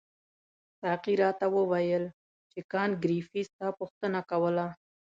ساقي راته وویل چې کانت ګریفي ستا پوښتنه کوله.